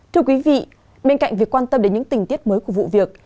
thưa quý vị bên cạnh việc quan tâm đến những tình tiết mới của vụ việc